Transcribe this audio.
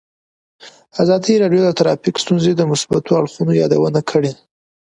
ازادي راډیو د ټرافیکي ستونزې د مثبتو اړخونو یادونه کړې.